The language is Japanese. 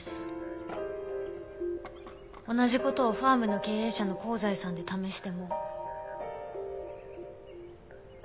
同じ事をファームの経営者の香西さんで試しても。